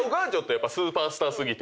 やっぱスーパースター過ぎて。